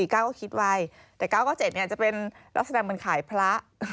๔๙ก็คิดไวแต่๙๙๗จะเป็นลักษณะบรรขายพระ